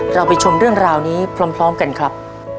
เราไปชมเรื่องราวนี้พร้อมกันครับ